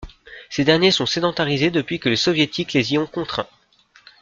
Ces derniers sont sédentarisés depuis que les soviétiques les y ont contraint.